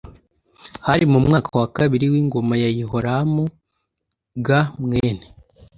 Hari mu mwaka wa kabiri w ingoma ya Yehoramu g mwene